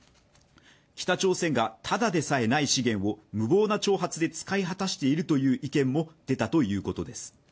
北朝鮮がただでさえない資源を無謀な挑発で使い果たしているという意見も出たということです